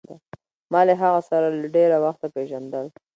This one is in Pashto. ما له هغه سره له ډېره وخته پېژندل.